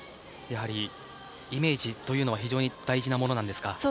やはりイメージというのは非常に大事なものなんですか。